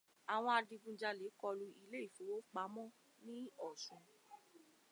Àwọn Adigunjàlè kọlu ilé-ìfowópamọ́ ní Ọṣun.